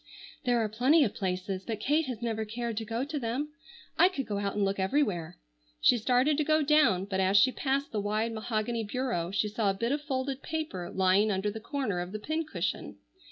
"There are plenty of places, but Kate has never cared to go to them. I could go out and look everywhere." She started to go down, but as she passed the wide mahogany bureau she saw a bit of folded paper lying under the corner of the pincushion.